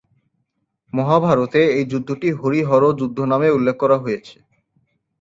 মহাভারতে এই যুদ্ধটি হরি-হর যুদ্ধ নামে উল্লেখ করা হয়েছে।